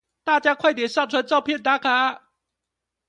大家快點上傳照片打卡